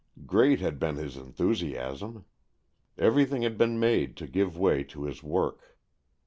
Great had been his enthusiasm. Everything had been made to give way to his work.